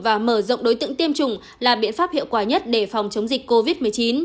và mở rộng đối tượng tiêm chủng là biện pháp hiệu quả nhất để phòng chống dịch covid một mươi chín